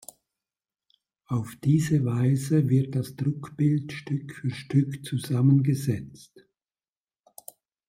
Auf diese Weise wird das Druckbild Stück für Stück zusammengesetzt.